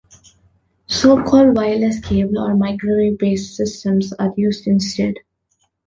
So-called "wireless cable" or microwave-based systems are used instead.